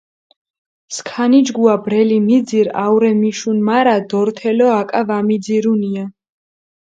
სქანიჯგუა ბრელი მიძირჷ აურე მიშუნ, მარა დორთელო აკა ვამიძირუნია.